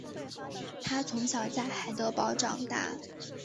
他从小在海德堡长大。